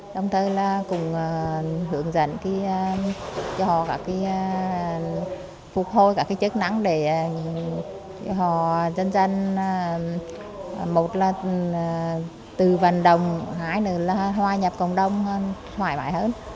đồng thời cũng hướng dẫn cho họ phục hồi các chức năng để họ dân dân từ vận động hóa nhập cộng đồng thoải mái hơn